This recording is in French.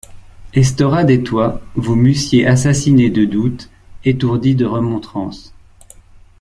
Estorade et toi, vous m’eussiez assassinée de doutes, étourdie de remontrances.